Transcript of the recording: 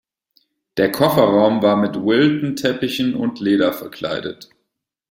Der Kofferraum war mit Wilton-Teppichen und Leder verkleidet.